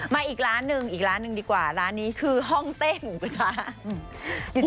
อีกร้านหนึ่งอีกร้านหนึ่งดีกว่าร้านนี้คือห้องเต้หมูกระทะ